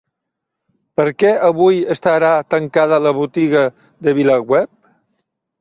Per què avui estarà tancada la botiga de VilaWeb?